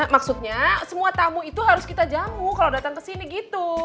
maksudnya semua tamu itu harus kita jamu kalau datang ke sini gitu